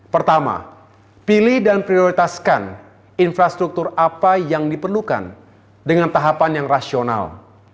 pertama pilih dan prioritaskan infrastruktur apa yang diperlukan dengan tahapan yang rasional